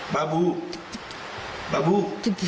บ่าบู่บ่าบู่